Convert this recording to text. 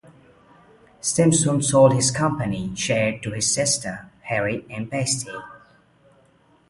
Stimson sold his company shares to his sisters, Harriet and Patsy.